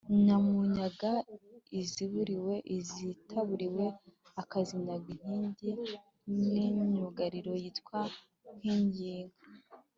Nyamunyaga iziburiwe, izitaburiwe akazazinyaga inkingi n’imyugariro yitwa Nkingiyinka